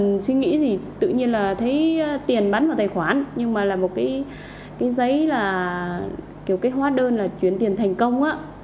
mình suy nghĩ thì tự nhiên là thấy tiền bán vào tài khoản nhưng mà là một cái giấy là kiểu cái hóa đơn là chuyển tiền thành công á